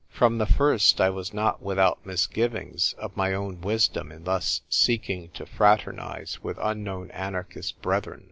From the first I was not without misgivings of my own wisdom in thus seeking to frater nise with unknown anarchist brethren.